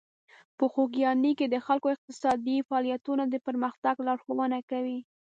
په خوږیاڼي کې د خلکو اقتصادي فعالیتونه د پرمختګ لارښوونه کوي.